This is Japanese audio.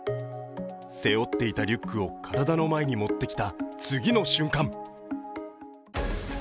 背負っていたリュックを体の前に持ってきた次の瞬間。